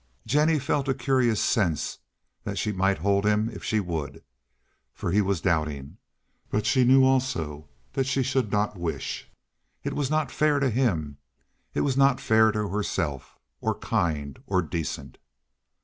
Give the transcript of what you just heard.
Jennie felt a curious sense that she might hold him if she would, for he was doubting; but she knew also that she should not wish. It was not fair to him. It was not fair to herself, or kind, or decent.